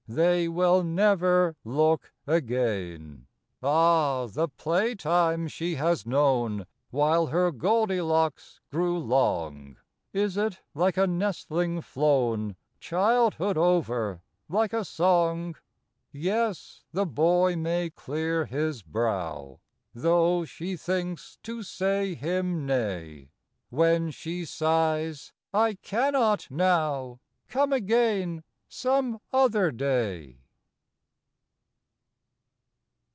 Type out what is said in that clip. They will never look again. THE NIGHTINGALE . 85 Ah ! the playtime she has known, While her goldilocks grew long, Is it like a nestling flown, Childhood over like a song ? Yes, the boy may clear his brow, Though she thinks to say him nay, When she sighs, " I cannot now, Come again some other day."